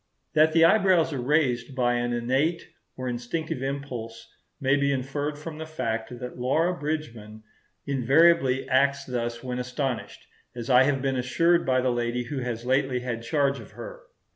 That the eyebrows are raised by an innate or instinctive impulse may be inferred from the fact that Laura Bridgman invariably acts thus when astonished, as I have been assured by the lady who has lately had charge of her.